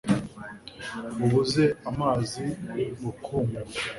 bubuze amazi bukumirana